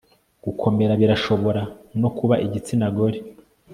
gukomera birashobora no kuba igitsina gore